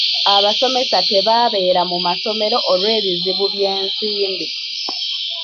Abasomesa tebabeera mu masomero olw'ebizibu by'ensimbi.